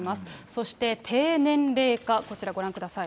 そして、低年齢化、こちらご覧ください。